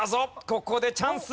ここでチャンス。